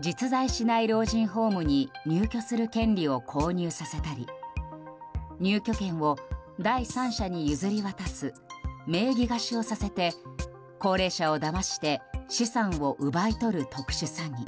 実在しない老人ホームに入居する権利を購入させたり入居権を第三者に譲り渡す、名義貸しをさせて高齢者をだまして資産を奪い取る特殊詐欺。